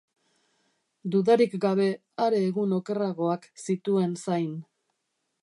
Dudarik gabe, are egun okerragoak zituen zain.